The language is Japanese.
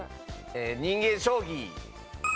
人間将棋。